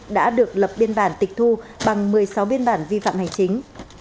đã được lập biên bản tịch thu bằng một mươi sáu biên bản vi phạm hành chính